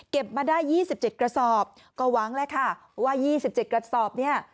มาได้๒๗กระสอบก็หวังแล้วค่ะว่า๒๗กระสอบเนี่ย